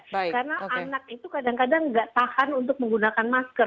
karena anak itu kadang kadang tidak tahan untuk menggunakan masker